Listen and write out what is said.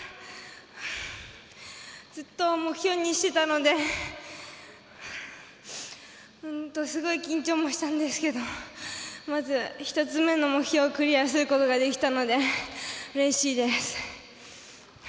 ずっと目標にしてたのですごい緊張もしたんですけどまず、１つ目の目標をクリアすることできたのでうれしいです。